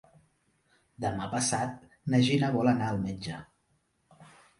Demà passat na Gina vol anar al metge.